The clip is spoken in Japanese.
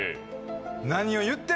何を言ってる。